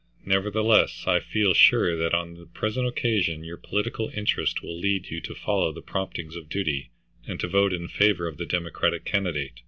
Nevertheless I feel sure that on the present occasion your political interests will lead you to follow the promptings of duty, and to vote in favor of the Democratic candidate.